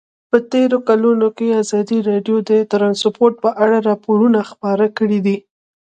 په تېرو کلونو کې ازادي راډیو د ترانسپورټ په اړه راپورونه خپاره کړي دي.